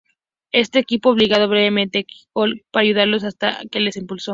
Este equipo obligado brevemente Kid Colt para ayudarlos hasta que los expuso.